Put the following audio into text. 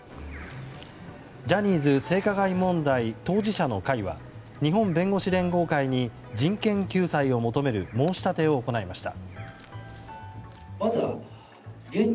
ジャニーズ性加害問題当事者の会は日本弁護士連合会に人権救済を求める申し立てを行いました。